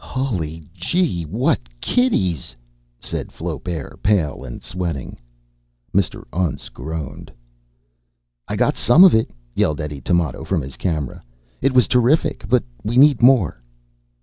"Hully gee, what kitties!" said Flaubert, pale and sweating. Mr. Untz groaned. "I got some of it!" yelled Eddie Tamoto from his camera. "It was terrific! But we need more!"